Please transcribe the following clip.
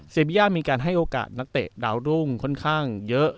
บิย่ามีการให้โอกาสนักเตะดาวรุ่งค่อนข้างเยอะ